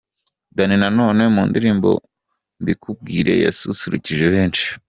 Dany Nanone mu ndirimbo Mbikubwire yasusurukije benshi.